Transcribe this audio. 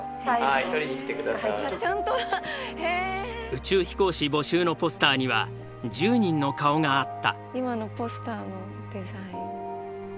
宇宙飛行士募集のポスターには１０人の顔があった。